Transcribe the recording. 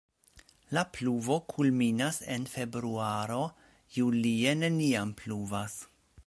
La pluvo kulminas en februaro, julie neniam pluvas.